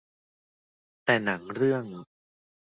แต่หนังเรื่อง